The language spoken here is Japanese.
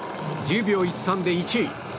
１０秒１３で１位。